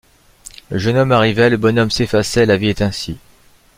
Le jeune homme arrivait, le bonhomme s’effaçait ; la vie est ainsi.